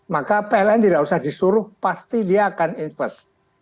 maka pln tidak usah disuruh pasti dia akan invest